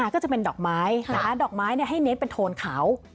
ก็จะเป็นดอกไม้ดอกไม้ให้เน้นเป็นโทนเขา